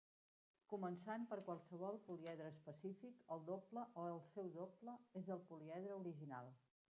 Començant per qualsevol poliedre específic, el doble o el seu doble és el poliedre original.